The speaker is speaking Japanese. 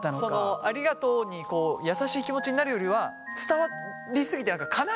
ありがとうに優しい気持ちになるよりは伝わり過ぎて何か悲しくなっちゃう。